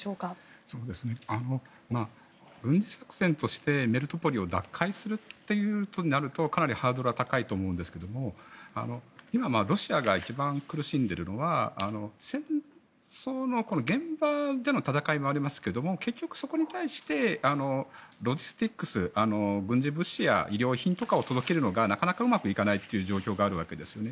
軍事作戦としてメリトポリを奪回するということになるとかなりハードルは高いと思うんですけれども今、ロシアが一番苦しんでるのは戦争の現場での戦いもありますけれども結局そこに対して軍事物資や医療品とかを届けるのがなかなかうまくいかないという状況があるわけですよね。